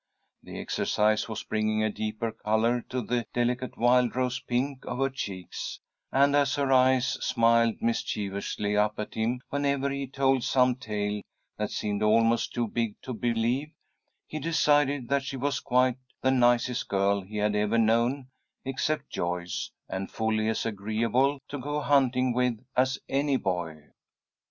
The exercise was bringing a deeper colour to the delicate wild rose pink of her cheeks, and, as her eyes smiled mischievously up at him whenever he told some tale that seemed almost too big to believe, he decided that she was quite the nicest girl he had ever known, except Joyce, and fully as agreeable to go hunting with as any boy.